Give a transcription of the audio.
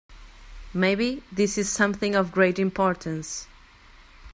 Maybe this is something of great importance.